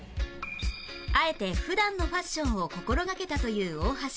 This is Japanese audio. あえて普段のファッションを心がけたという大橋